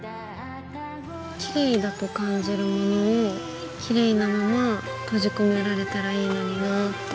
きれいだと感じるものをきれいなまま閉じ込められたらいいのになぁって。